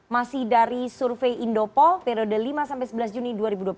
masih dari survei indopol periode lima sampai sebelas juni dua ribu dua puluh tiga